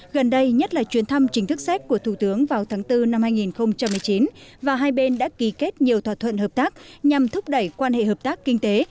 gần đây nhất là chuyến thăm chính thức séc của thủ tướng vào tháng bốn năm hai nghìn một mươi chín và hai bên đã ký kết nhiều thỏa thuận hợp tác nhằm thúc đẩy quan hệ hợp tác kinh tế